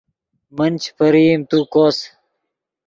من چے پرئیم تو کوس